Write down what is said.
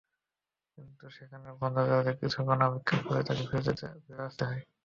কিন্তু সেখানে বন্ধ দরজায় কিছুক্ষণ অপেক্ষা করে তাঁকে ফিরে আসতে হয়।